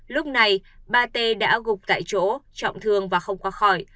lúc này ba t đã gục tại chỗ trọng thương và không qua khỏi